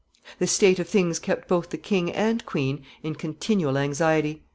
] This state of things kept both the king and queen in continual anxiety.